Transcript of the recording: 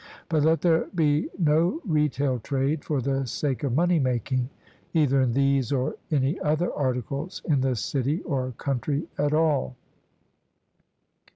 But let there be no retail trade for the sake of moneymaking, either in these or any other articles, in the city or country at all.